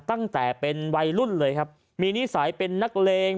ตั้งแต่เป็นวัยรุ่นเลยครับมีนิสัยเป็นนักเลง